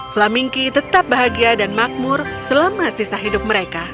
flamingki tetap bahagia dan makmur selama sisa hidup mereka